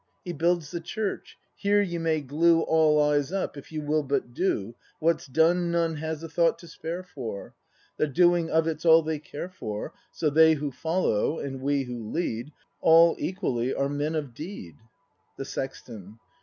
He builds the Church, Here you may glue All eyes up, if you will but d o . What's done none has a thought to spare for; The doing of it's all they care for. So they who follow, and we who lead, All equally are men of deed. The Sexton.